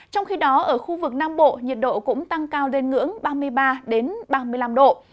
trong khi đó ở khu vực nam bộ nhiệt độ cũng tăng cao lên ngưỡng ba mươi ba ba mươi năm độ